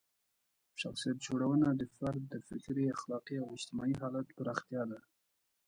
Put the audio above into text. شخصیت جوړونه د فرد د فکري، اخلاقي او اجتماعي حالت پراختیا ده.